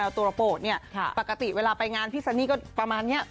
มันมาโน้นแมวตัวโปรดเนี่ยค่ะปกติเวลาไปงานพี่ซันนี่ก็ประมาณเนี้ย